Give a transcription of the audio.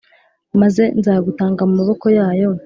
Maze nzagutanga mu maboko yabo